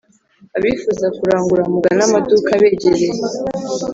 Abifuza kurangura mugane amaduka abegereye